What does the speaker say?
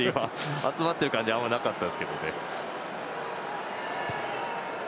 集まっている感じはあまりなかったですけどね。